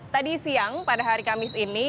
tadi siang pada hari kamis ini